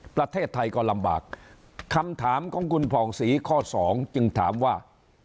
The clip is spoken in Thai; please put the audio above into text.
ประเทศไทยก็ลำบากคำถามของคุณผ่องศรีข้อสองจึงถามว่า